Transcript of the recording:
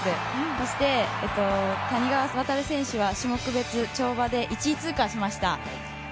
そして谷川航選手は種目別跳馬で１位通過しました。